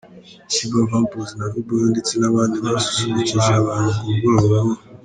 Sheebah, Vamposs na Viboyo ndetse nabandi basusurukije abantu ku mugoroba wo.